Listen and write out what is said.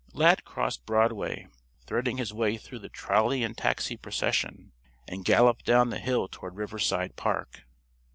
Lad crossed Broadway, threading his way through the trolley and taxi procession, and galloped down the hill toward Riverside Park.